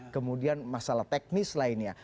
kemudian masalah teknis lainnya